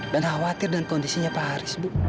dan khawatir dengan kondisinya pak haris bu